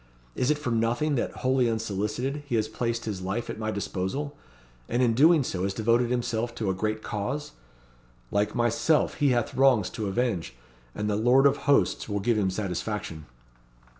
Is it for nothing that, wholly unsolicited, he has placed his life at my disposal, and in doing so has devoted himself to a great cause? Like myself he hath wrongs to avenge, and the Lord of Hosts will give him satisfaction."